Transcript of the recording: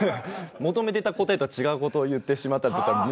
求めてた答えと違うことを言ってしまった。